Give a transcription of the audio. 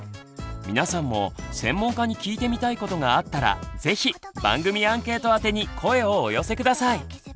皆さんも専門家に聞いてみたいことがあったら是非番組アンケート宛てに声をお寄せ下さい。